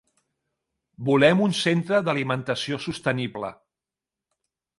Volem un centre d'alimentació sostenible.